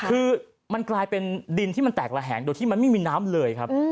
คือมันกลายเป็นดินที่มันแตกระแหงโดยที่มันไม่มีน้ำเลยครับ